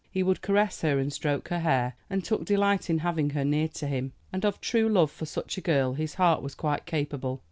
He would caress her and stroke her hair, and took delight in having her near to him. And of true love for such a girl his heart was quite capable.